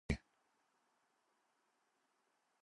ټولنيز او طبيعي علوم ورته دي.